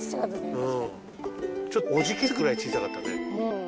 ちょっとおじけづくくらい小さかったね。